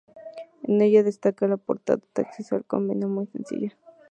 En ella destaca la portada de acceso al convento, muy sencilla.